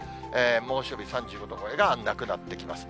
猛暑日３５度超えがなくなってきます。